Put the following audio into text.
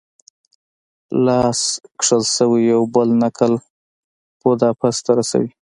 لاس کښل شوی یو بل نقل بوداپست ته رسوي.